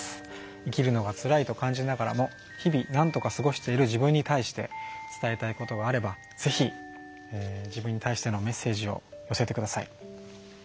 「生きるのがつらい」と感じながらも日々なんとか過ごしている自分に対して伝えたいことがあればぜひ自分に対してのメッセージを寄せてください。